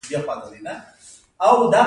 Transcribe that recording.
نوی سوېلي ویلز د والي له لوري اداره کېده.